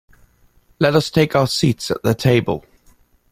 Let us take our seats at the table.